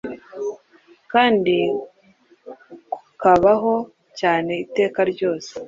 kandi kukabaho cyane iteka ryose